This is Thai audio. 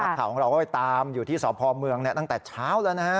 ข่าวของเราก็ไปตามอยู่ที่สพเมืองตั้งแต่เช้าแล้วนะฮะ